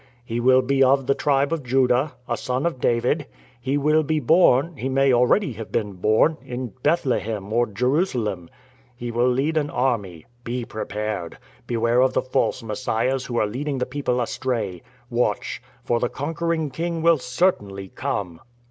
He will be of the tribe of Judah; a son of David. He will be born — he may already have been born ^in Bethlehem, or Jerusalem. He will lead an army. Be prepared. Beware of the false Messiahs who are leading the people astray. Watch — for the conquering King will certainly come."